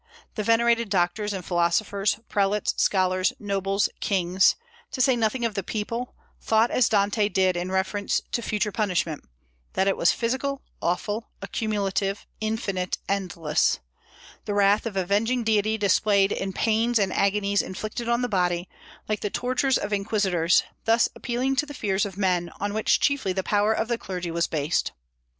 The venerated doctors and philosophers, prelates, scholars, nobles, kings, to say nothing of the people, thought as Dante did in reference to future punishment, that it was physical, awful, accumulative, infinite, endless; the wrath of avenging deity displayed in pains and agonies inflicted on the body, like the tortures of inquisitors, thus appealing to the fears of men, on which chiefly the power of the clergy was based.